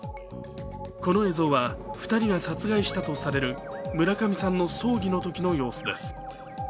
この映像は２人が殺害したとされる村上さんの葬儀のときの様子です。